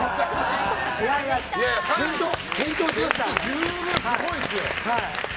十分、すごいですよ。